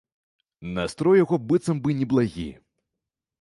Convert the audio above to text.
Настрой у яго быццам бы неблагі.